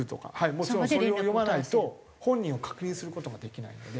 もちろんそれを呼ばないと本人を確認する事ができないので。